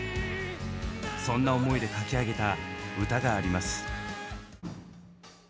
そんな思いで書き上げた歌があります。